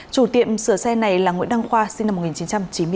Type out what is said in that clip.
chủ tiệm sửa xe này là nguyễn đăng khoa sinh năm một nghìn chín trăm chín mươi bốn